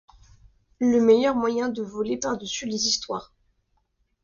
Le meilleur moyen de voler pardessus les histoires.